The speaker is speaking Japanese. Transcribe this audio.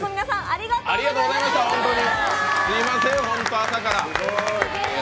すみません、ホント、朝から。